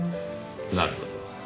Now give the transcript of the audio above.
なるほど。